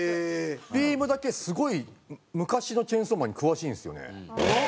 ビームだけすごい昔のチェンソーマンに詳しいんですよね。